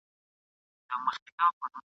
برېښنا، تالندي، غړومبی او جګ ږغونه ..